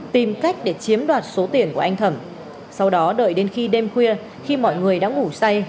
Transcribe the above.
tìm cách để chiếm đoạt số tiền của anh thẩm sau đó đợi đến khi đêm khuya khi mọi người đã ngủ say